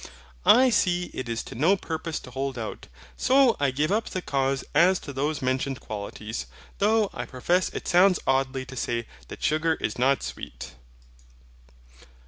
I see it is to no purpose to hold out, so I give up the cause as to those mentioned qualities. Though I profess it sounds oddly, to say that sugar is not sweet.